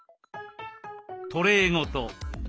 トレーごと。